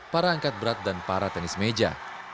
para angkat berat dan para tenis meja